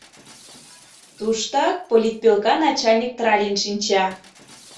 Туштак политпӧлка начальник Тралин шинча.